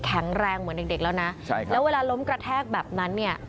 แข็งแรงเหมือนเด็กแล้วนะใช่ครับแล้วเวลาล้มกระแทกแบบนั้นเนี่ย